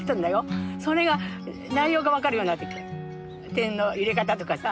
点の入れ方とかさ。